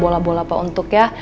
bola bola pak untuk ya